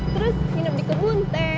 terus minum di kebun teh